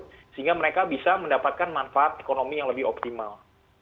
sehingga mereka bisa mendapatkan manfaat ekonomi yang lebih optimal